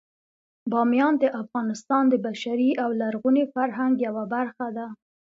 بامیان د افغانستان د بشري او لرغوني فرهنګ یوه برخه ده.